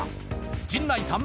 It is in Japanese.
陣内さん